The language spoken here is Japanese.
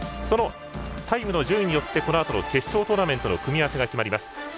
そのタイムの順位によってこのあとの決勝トーナメントの組み合わせが決まります。